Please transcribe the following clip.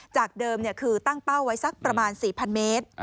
จากเดิมคือตั้งเป้าไว้สักประมาณ๔๐๐เมตร